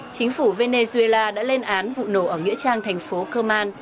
chính phủ venezuela đã lên án vụ nổ ở nghĩa trang thành phố kerman